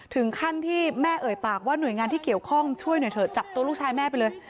ถึงขั้นที่แม่เอ่ยปากว่าหน่วยงานที่เกี่ยวข้องช่วยหน่อยเถอะจับตัวลูกชายแม่ไปเลย